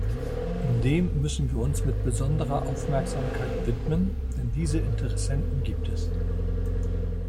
Dem müssen wir uns mit besonderer Aufmerksamkeit widmen, denn diese Interessenten gibt es.